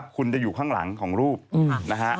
คุณจะอยู่ข้างหลังของรูปนะฮะ